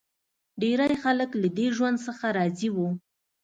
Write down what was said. ډېری خلک له دې ژوند څخه راضي و.